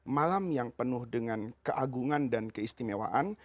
malam yang penuh dengan keagungan dan keistimewaan